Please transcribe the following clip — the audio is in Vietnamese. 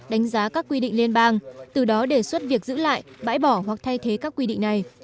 đánh giá các quy định liên bang từ đó đề xuất việc giữ lại bãi bỏ hoặc thay thế các quy định này